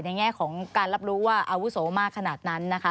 แง่ของการรับรู้ว่าอาวุโสมากขนาดนั้นนะคะ